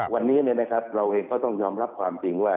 วันนี้เราเองก็ต้องยอมรับความจริงว่า